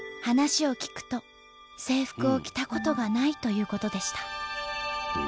話を聞くと制服を着たことがないということでした。